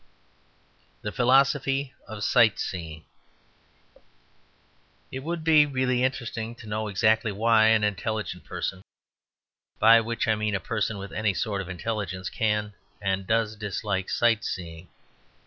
The Philosophy of Sight seeing It would be really interesting to know exactly why an intelligent person by which I mean a person with any sort of intelligence can and does dislike sight seeing.